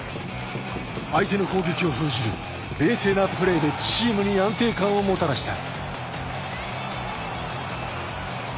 相手の攻撃を封じる冷静なプレーでチームに安定感をもたらした。